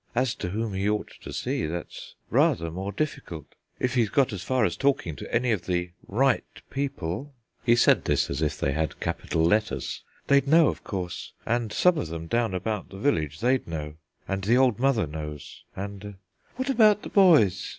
As to whom he ought to see, that's rather more difficult. If he's got as far as talking to any of the Right People (he said this as if they had capital letters), they'd know, of course; and some of them down about the village, they'd know; and the Old Mother knows, and " "What about the boys?"